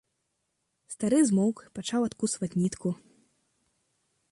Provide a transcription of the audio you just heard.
Стары змоўк, пачаў адкусваць нітку.